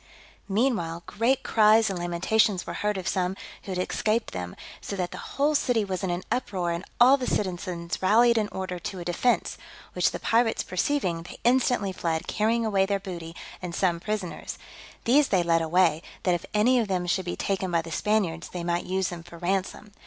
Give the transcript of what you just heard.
Meanwhile, great cries and lamentations were heard of some who had escaped them; so that the whole city was in an uproar, and all the citizens rallied in order, to a defence; which the pirates perceiving, they instantly fled, carrying away their booty, and some prisoners: these they led away, that if any of them should be taken by the Spaniards, they might use them for ransom.